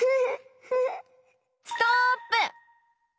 ストップ！